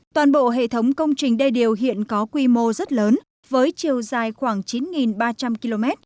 toàn bộ hệ thống công trình đê điều hiện có quy mô rất lớn với chiều dài khoảng chín ba trăm linh km